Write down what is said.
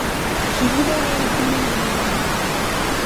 She used to work in their household and was called Chapko.